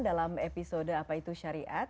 dalam episode apa itu syariat